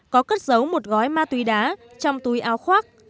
có cất giấu một gói ma túy đá trong túi áo khoác